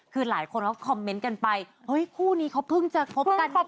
เพราะว่าก็เขาแบบชื่นใจก็เลยจอด